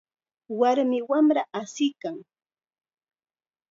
Warmi wamra asiykan.